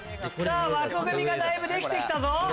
枠組みがだいぶできて来たぞ。